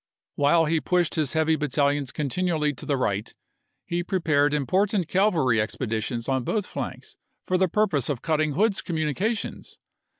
While he pushed his heavy battalions continually to the right he prepared important cavalry expeditions on both flanks for the purpose ATLANTA 279 of cutting Hood's communications.